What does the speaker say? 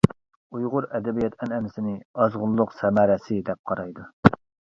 ئۇيغۇر ئەدەبىيات ئەنئەنىسىنى ئازغۇنلۇق سەمەرىسى دەپ قارايدۇ.